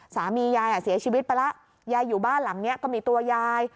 สามียายเสียชีวิตไปแล้วยายอยู่บ้านหลังนี้ก็มีตัวยาย